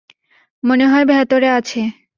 মনে হয় ভেতরে আছে।